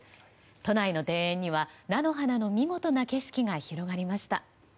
都内の庭園には、菜の花の見事な景色が広がりました。